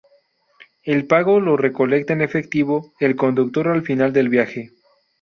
El pago lo recolecta en efectivo el conductor al final del viaje.